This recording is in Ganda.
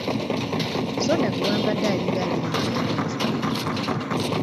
Soda gwe wampadde alinga alimu akatamiiza!